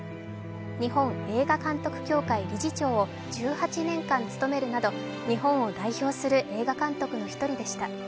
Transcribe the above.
日本映画監督協会理事長を１８年間務めるなど、日本を代表する映画監督の一人でした。